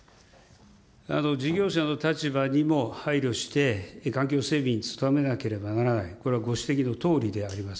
事業者の立場にも配慮して、環境整備に努めなければならない、これはご指摘のとおりであります。